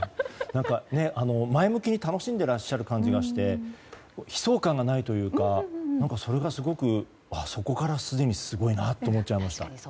前向きに楽しんでらっしゃる感じがして悲壮感がないというかそれがそこからすでにすごいなと思っちゃいました。